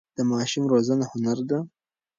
د ماشوم روزنه هنر دی.